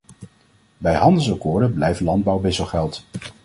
Bij handelsakkoorden blijft landbouw wisselgeld.